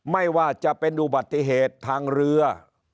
ไม่ว่าจะเป็นอุบัติเหตุทางเรือ